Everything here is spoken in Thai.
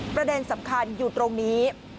ประเด็นสำคัญอยู่ตรงนี้